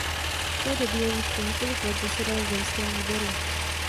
V té době již po několik let zasedal v zemském výboru.